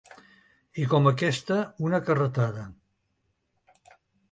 I com aquesta, una carretada.